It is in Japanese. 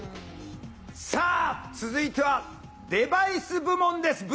さあ続いてはデバイス部門です。